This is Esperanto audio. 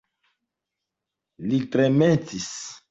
Li tremetis.